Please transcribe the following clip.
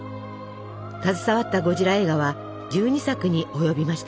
携わったゴジラ映画は１２作に及びました。